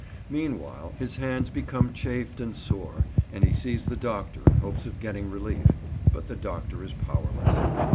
Meanwhile his hands become chafed and sore, and he sees the doctor in hopes of getting relief; but the doctor is powerless.